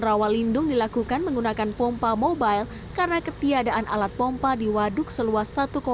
rawa lindung dilakukan menggunakan pompa mobile karena ketiadaan alat pompa di waduk seluas